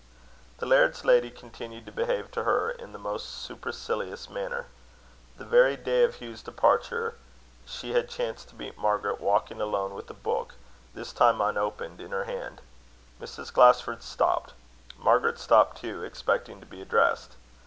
The laird's lady continued to behave to her in the most supercilious fashion. The very day of Hugh's departure, she had chanced to meet Margaret walking alone with a book, this time unopened, in her hand. Mrs. Glasford stopped. Margaret stopped too, expecting to be addressed.